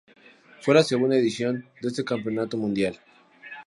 Fue la segunda edición de este campeonato mundial.